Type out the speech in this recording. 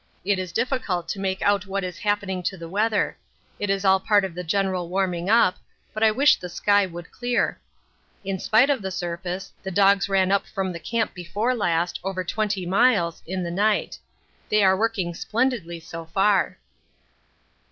It is difficult to make out what is happening to the weather it is all part of the general warming up, but I wish the sky would clear. In spite of the surface, the dogs ran up from the camp before last, over 20 miles, in the night. They are working splendidly so far.